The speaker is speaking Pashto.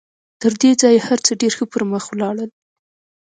تر دې ځايه هر څه ډېر ښه پر مخ ولاړل.